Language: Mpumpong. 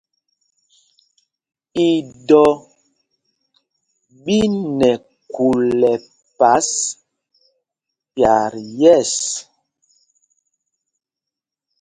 Idɔ ɓí nɛ khul ɛpas pyat yɛ̂ɛs.